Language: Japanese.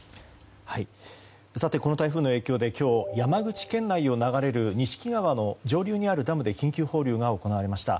この台風の影響で今日、山口県内を流れる錦川の上流にあるダムで緊急放流が行われました。